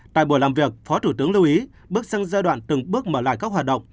tại buổi làm việc phó thủ tướng lưu ý bước sang giai đoạn từng bước mở lại các hoạt động